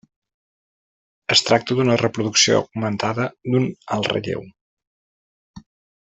Es tracta d'una reproducció augmentada d'un alt relleu.